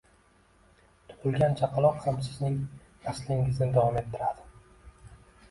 Tugʻilgan chaqaloq ham sizning naslingizni davom ettiradi